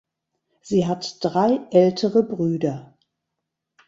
Sie hat drei ältere Brüder.